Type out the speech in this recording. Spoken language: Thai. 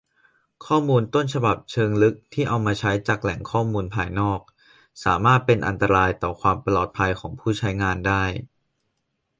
ข้อมูลต้นฉบับเชิงลึกที่เอามาใช้จากแหล่งข้อมูลภายนอก สามารถเป็นอันตรายต่อความปลอดภัยของผู้ใช้งานได้